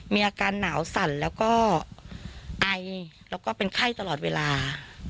มีอาการหนาวสั่นแล้วก็ไอแล้วก็เป็นไข้ตลอดเวลา